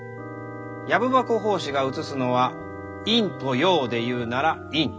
「藪箱法師」が映すのは「陰」と「陽」でいうなら「陰」。